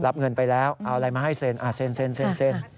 รับเงินไปแล้วเอาอะไรมาให้เสนอ่ะเสนเสนเสน